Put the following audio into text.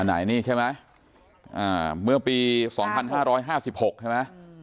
ไหนนี่ใช่ไหมเมื่อปี๒๕๕๖ใช่ไหม